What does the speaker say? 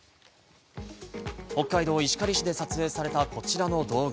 北海道石狩市で撮影された、こちらの動画。